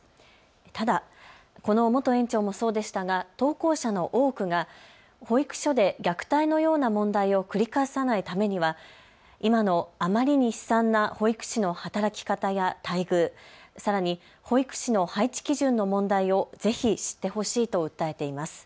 ただこの元園長もそうでしたが投稿者の多くが保育所で虐待のような問題を繰り返さないためには今のあまりに悲惨な保育士の働き方や待遇、さらに保育士の配置基準の問題をぜひ知ってほしいと訴えています。